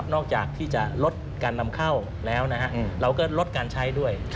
จากที่จะลดการนำเข้าแล้วเราก็ลดการใช้ด้วย